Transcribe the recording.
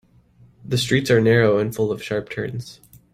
The streets are narrow and full of sharp turns.